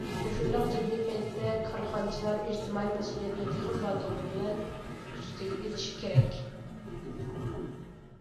مۇشۇنداق جىددىي پەيتتە، كارخانىچىلار ئىجتىمائىي مەسئۇلىيەتنى تېخىمۇ باتۇرلۇق بىلەن ئۈستىگە ئېلىشى كېرەك.